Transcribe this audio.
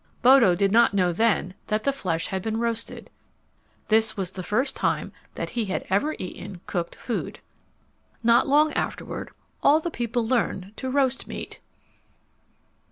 Bodo did not know then that the flesh had been roasted. This was the first time that he had ever eaten cooked food. Not long afterward all the people learned to roast meat.